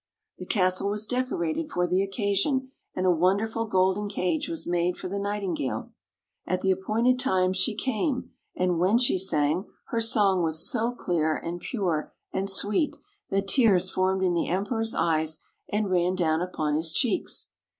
The castle was decorated for the occasion, and a wonderful golden cage was made for the Nightingale. At the appointed time she came, and when she sang, her song was so clear, and pure, and sweet, that tears formed in the Em peror's eyes, and ran down upon his cheeks.